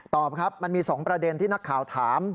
ตอบครับมันมี๒ประเด็นที่นักข่าวถาม